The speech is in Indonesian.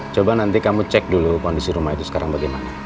coba nanti kamu cek dulu kondisi rumah itu sekarang bagaimana